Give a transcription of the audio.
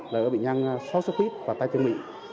là ở bệnh nhân sốt xuất huyết và tai chân miệng